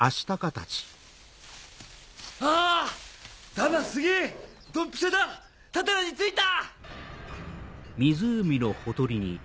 だんなすげぇドンピシャだタタラに着いた！